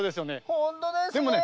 ほんとですね。